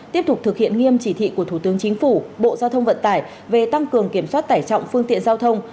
tiếp tục thực hiện nghiêm chỉ thị của thủ tướng chính phủ bộ giao thông vận tải về tăng cường kiểm soát tải trọng phương tiện giao thông